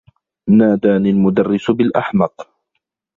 ناداني المدرّس بالأحمق.